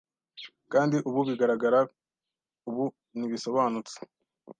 Kandi ubu biragaragara ubu ntibisobanutse